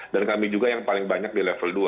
dan kami juga yang paling banyak di level dua